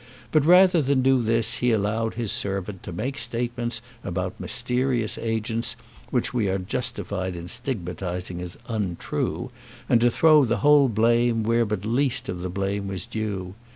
But rather than do this he allowed his servant to make statements about mysterious agents, which we are justified in stigmatizing as untrue, and to throw the whole blame where but least of the blame was due.